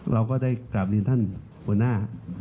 เราก็ได้กราบเรียนท่านหัวหน้า